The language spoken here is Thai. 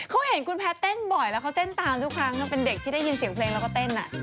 เขาเห็นคุณแพทย์เต้นบ่อยแล้วเขาเต้นตามทุกครั้งทั้งเป็นเด็กที่ได้ยินเสียงเพลงแล้วก็เต้น